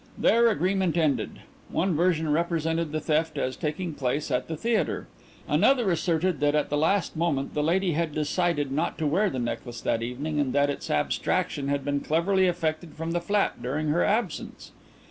There agreement ended. One version represented the theft as taking place at the theatre. Another asserted that at the last moment the lady had decided not to wear the necklace that evening and that its abstraction had been cleverly effected from the flat during her absence.